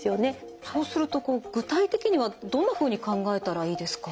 そうするとこう具体的にはどんなふうに考えたらいいですか？